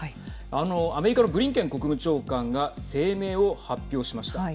あの、アメリカのブリンケン国務長官が声明を発表しました。